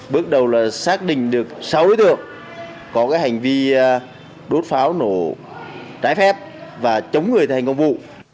bước đầu là xác định được sáu đối tượng có hành vi đốt pháo nổ trái phép và chống người thành công vụ